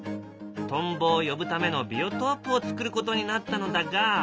トンボを呼ぶためのビオトープをつくることになったのだが。